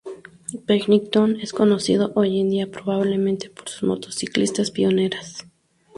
Pennington es conocido hoy en día probablemente por sus motocicletas pioneras.